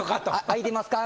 空いてますか？